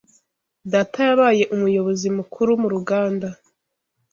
Data yabaye umuyobozi mukuru mu ruganda.